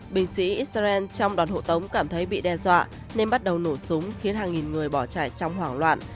binh sĩ israel trong đoàn hộ tống cảm thấy bị đe dọa nên bắt đầu nổ súng khiến hàng nghìn người bỏ chạy trong hoảng loạn